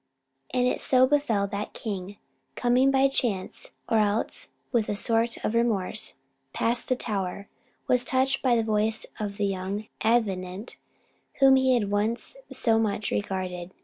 And it so befell that the king, coming by chance, or else with a sort of remorse, past the tower, was touched by the voice of the young Avenant, whom he had once so much regarded.